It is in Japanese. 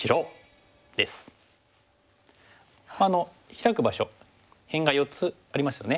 ヒラく場所辺が４つありますよね。